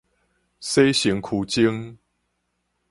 洗身軀精